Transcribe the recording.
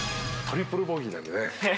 トリプルボギーなんでね。